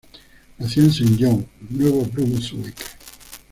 Nació en Saint John, Nuevo Brunswick.